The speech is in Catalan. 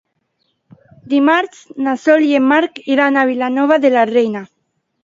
Dimarts na Sol i en Marc iran a Vilanova de la Reina.